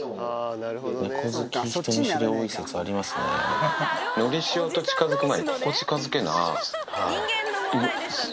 猫好き人見知り多い説ありますよね。